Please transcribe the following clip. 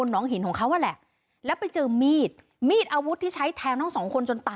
ในกว่าง